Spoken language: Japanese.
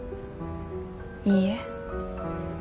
いいえ